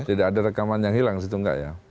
tidak ada rekaman yang hilang disitu gak ya